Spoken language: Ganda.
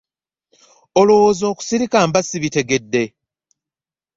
olowooza okusirika mba sibitegedde?